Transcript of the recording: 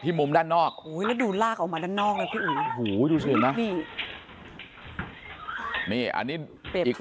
ที่มุมด้านนอกแล้วดูลากออกมาด้านนอกดูเห็นนะอันนี้อีก